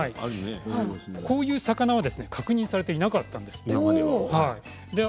こういう魚は確認されていなかったんです、これまでは。